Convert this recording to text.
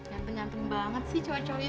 ganteng ganteng banget sih cowok cowok itu